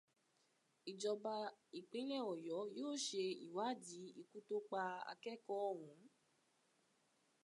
Ìjọba ìpínlẹ̀ Ọ̀yọ́ yóò ṣe ìwádìí ikú tó pa akẹ́kọ̀ọ́ ọ̀hún